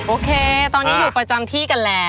โอเคตอนนี้อยู่ประจำที่กันแล้ว